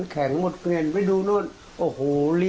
คือนุ๊กแค่ว่าอยู่วัดนู้นไม่ได้